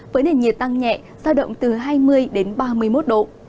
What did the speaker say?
với nền nhiệt tăng nhẹ giao động từ hai mươi đến ba mươi một độ